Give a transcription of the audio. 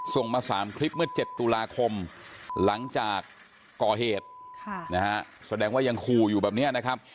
ส่งมา๓คลิปเมื่อ๗ตุลาคมหลังจากก่อเหตุแสดงว่ายังขู่อยู่แบบนี้นะครับ